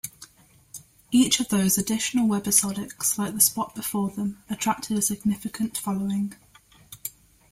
Each of those additional webisodics, like the Spot before them, attracted a significant following.